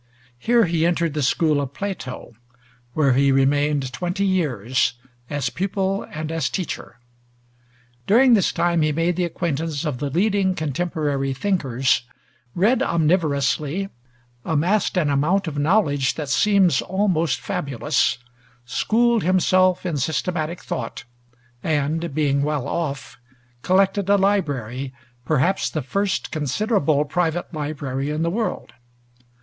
Here he entered the school of Plato, where he remained twenty years, as pupil and as teacher. During this time he made the acquaintance of the leading contemporary thinkers, read omnivorously, amassed an amount of knowledge that seems almost fabulous, schooled himself in systematic thought, and (being well off) collected a library, perhaps the first considerable private library in the world.